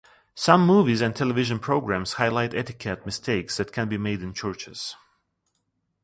Some movies and television programs highlight etiquette mistakes that can be made in churches.